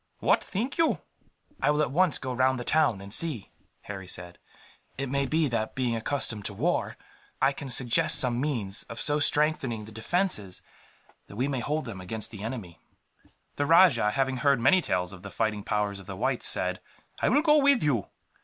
What think you?" "I will at once go round the town, and see," Harry said. "It may be that, being accustomed to war, I can suggest some means of so strengthening the defences that we may hold them against the enemy." The rajah, having heard many tales of the fighting powers of the whites, said: "I will go with you.